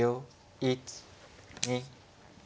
１２。